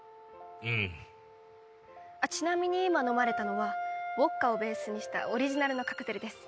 うんちなみに今飲まれたのはウォッカをベースにしたオリジナルのカクテルです